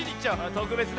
とくべつね。